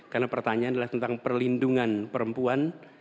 karena pertanyaan adalah tentang perlindungan perempuan